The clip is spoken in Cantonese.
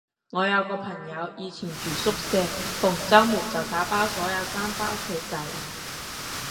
我有個朋友以前住宿舍，逢周末就打包所有衫返屋企洗